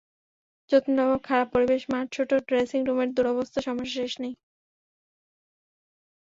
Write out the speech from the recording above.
যত্নের অভাব, খারাপ পরিবেশ, মাঠ ছোট, ড্রেসিং রুমের দুরবস্থা—সমস্যার শেষ নেই।